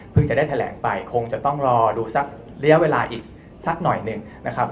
จะได้แถลงไปคงจะต้องรอดูสักระยะเวลาอีกสักหน่อยหนึ่งนะครับ